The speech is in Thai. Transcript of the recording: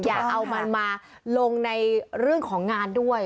อย่าเอามันมาลงในเรื่องของงานด้วย